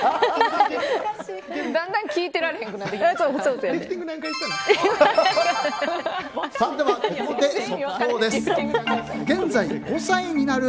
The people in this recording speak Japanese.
だんだん聞いてられへんくなる。